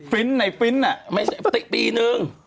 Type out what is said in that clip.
ฟินท์ไหนฟินท์น่ะไม่ใช่ปีหนึ่ง